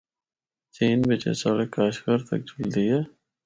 چین بچ اے سڑک کاشغر تک جُلدی ہے۔